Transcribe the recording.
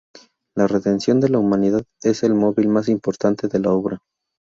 La redención de la humanidad es el móvil más importante de la obra.